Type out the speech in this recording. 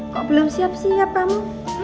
kok belum siap siap kamu